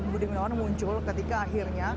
bin muncul ketika akhirnya